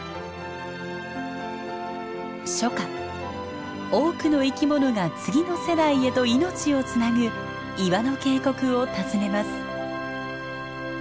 初夏多くの生き物が次の世代へと命をつなぐ岩の渓谷を訪ねます。